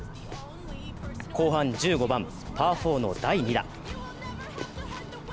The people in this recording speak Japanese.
後半１５番・パー４の第２打。